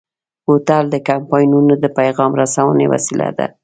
بوتل د کمپاینونو د پیغام رسونې وسیله ده.